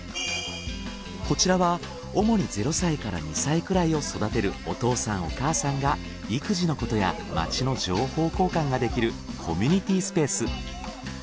こちらは主に０歳から２歳くらいを育てるお父さんお母さんが育児のことや街の情報交換ができるコミュニティースペース。